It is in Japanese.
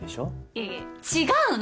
いやいや違うの！